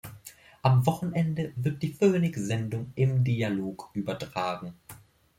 Am Wochenende wird die Phoenix-Sendung „Im Dialog“ übertragen.